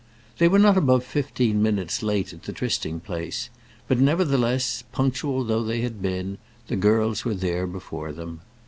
They were not above fifteen minutes late at the trysting place, but nevertheless, punctual though they had been, the girls were there before them.